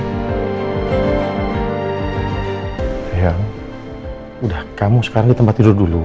iya udah kamu sekarang di tempat tidur dulu